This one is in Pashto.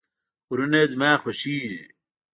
غرونه زما خوښیږي